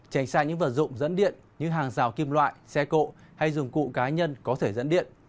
tránh xa những vật dụng dẫn điện như hàng rào kim loại xe cộ hay dùng cụ cá nhân có thể dẫn điện